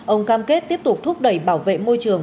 ông cam kết tiếp tục thúc đẩy bảo vệ môi trường